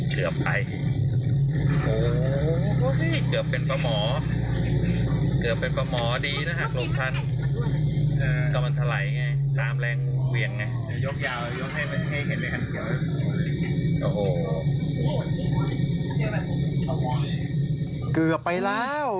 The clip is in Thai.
เกือบไปแล้ว